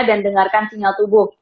dan dengarkan sinyal tubuh